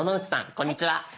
こんにちは。